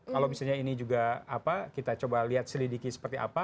kalau misalnya ini juga apa kita coba lihat selidiki seperti apa